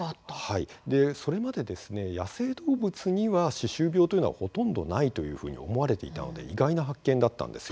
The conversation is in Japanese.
それまで、野生動物には歯周病というのはほとんどないというふうに思われていたので意外な発見だったんです。